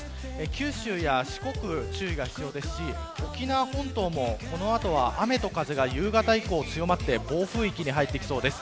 九州や四国、注意が必要ですし沖縄本島もこの後は雨と風が夕方以降、強まって暴風域に入ってきそうです。